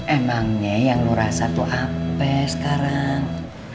emangnya yang lu rasa tuh ape sekarang